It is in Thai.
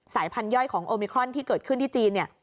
พันธย่อยของโอมิครอนที่เกิดขึ้นที่จีนเนี่ย